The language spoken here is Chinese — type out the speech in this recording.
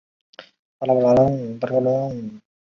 香港作曲家。